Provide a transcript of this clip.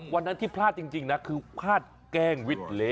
วันนั้นที่พลาดจริงนะคือพลาดแกล้งวิทเล